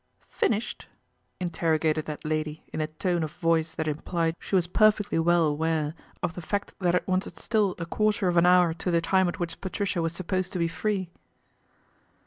" Finished ?" interrogated that lady in a tone of voice that implied she was perfectly well aware of the fact that it wanted still a quarter of an hour to the time at which Patricia was supposed to be free.